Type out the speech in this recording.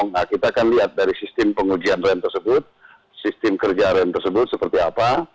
nah kita akan lihat dari sistem pengujian rem tersebut sistem kerja rem tersebut seperti apa